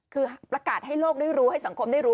คือประกาศให้โลกได้รู้ให้สังคมได้รู้